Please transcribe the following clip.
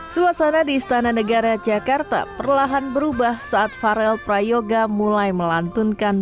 suasana di istana negara jakarta perlahan berubah saat farel prayoga mulai melantunkan